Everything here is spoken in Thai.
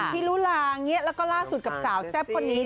พี่ลูลาและล่าสุดกับสาวแซ่บคนนี้